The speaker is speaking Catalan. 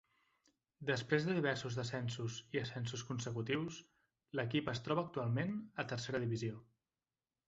Després de diversos descensos i ascensos consecutius, l'equip es troba actualment a Tercera Divisió.